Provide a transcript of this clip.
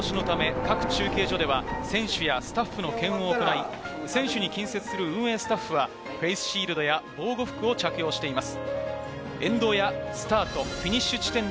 各中継所では選手やスタッフの検温を行い選手に近接する運営スタッフはフェイスシールドや防護服を着用しています。